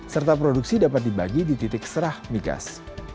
serta produksi dapat dibagi di titik serah migas